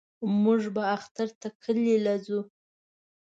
موږ به اختر ته کلي له زو.